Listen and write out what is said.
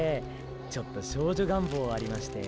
ちょっと少女願望ありまして。